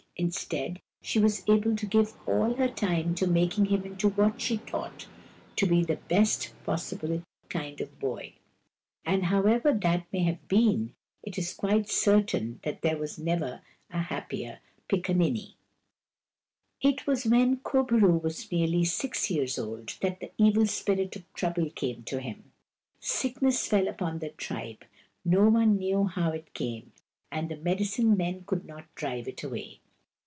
Instead, she was able to give all her time to making him into what she thought to be the best possible kind of boy. And, however that may have been, it is quite certain that there never was a happier pickaninny. It was when Kur bo roo was nearly six years old that the evil spirit of Trouble came to him. Sickness fell upon the tribe. No one knew how it came, and the medicine men could not drive it away.